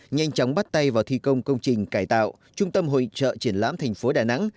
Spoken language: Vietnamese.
nhanh chóng bắt tay vào thi công công trình cải tạo trung tâm hội trợ triển lãm thành phố đà nẵng